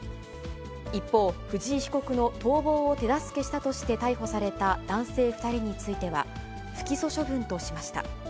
一方、藤井被告の逃亡を手助けしたとして逮捕された男性２人については、不起訴処分としました。